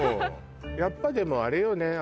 やっぱでもあれよね